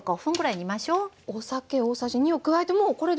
お酒大さじ２を加えてもうこれでＯＫ。